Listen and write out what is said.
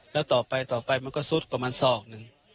แล้วต่อไปมันก็ซุดประมาณ๒นึง